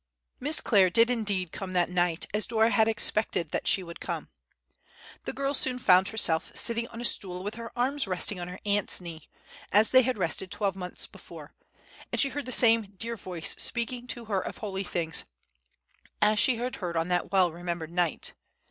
Miss Clare did indeed come that night, as Dora had expected that she would come. The girl soon found herself sitting on a stool with her arms resting on her aunt's knee, as they had rested twelve months before; and she heard the same dear voice speaking to her of holy things, as she had heard on that well remembered night.